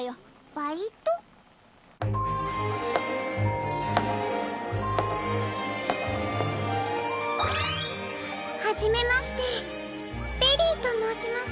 バイト？はじめましてベリーともうします。